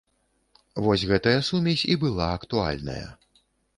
Вось гэтая сумесь і была актуальная.